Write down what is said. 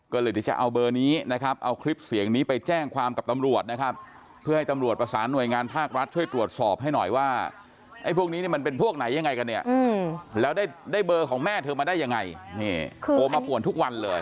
ก็เลยเดี๋ยวจะเอาเบอร์นี้นะครับเอาคลิปเสียงนี้ไปแจ้งความกับตำรวจนะครับเพื่อให้ตำรวจประสานหน่วยงานภาครัฐช่วยตรวจสอบให้หน่อยว่าไอ้พวกนี้เนี่ยมันเป็นพวกไหนยังไงกันเนี่ยแล้วได้เบอร์ของแม่เธอมาได้ยังไงนี่โทรมาป่วนทุกวันเลย